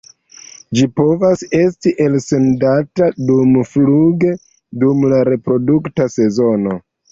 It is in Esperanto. Ĝi povas esti elsendata dumfluge dum la reprodukta sezono.